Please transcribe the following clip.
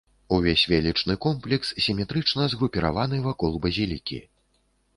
Увесь велічны комплекс сіметрычна згрупаваны вакол базілікі.